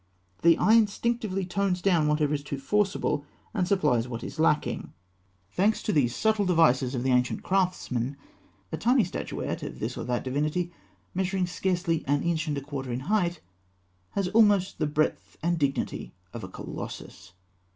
The eye instinctively tones down whatever is too forcible, and supplies what is lacking. Thanks to these subtle devices of the ancient craftsman, a tiny statuette of this or that divinity measuring scarcely an inch and a quarter in height, has almost the breadth and dignity of a colossus.